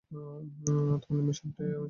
তো, মিশনটা কী?